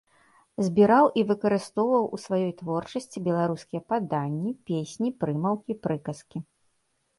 Збіраў і выкарыстоўваў у сваёй творчасці беларускія паданні, песні, прымаўкі, прыказкі.